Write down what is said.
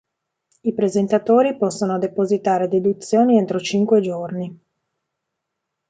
I presentatori possono depositare deduzioni entro cinque giorni.